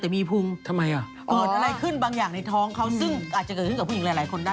แต่มีภูมิทำไมอ่ะเกิดอะไรขึ้นบางอย่างในท้องเขาซึ่งอาจจะเกิดขึ้นกับผู้หญิงหลายคนได้